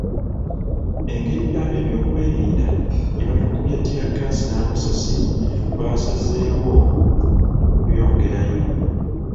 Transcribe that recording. Engeri ab'ebyokwerinda gye batukubye ttiyaggaasi n'amasasi twasazewo okubyongerayo.